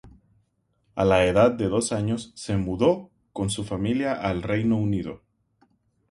A la edad de dos años se mudó con su familia al Reino Unido.